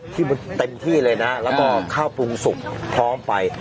ที่มันเต็มที่เลยนะแล้วก็ข้าวปรุงสุกพร้อมไป